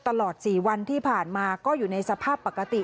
ตลอด๔วันที่ผ่านมาก็อยู่ในสภาพปกติ